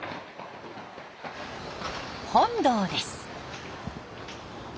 本堂です。